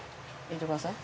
入れてください。